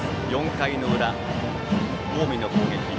４回の裏近江の攻撃。